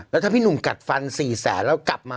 แล้วถ้าพี่หนุ่มกัดฟัน๔แสนแล้วกลับมา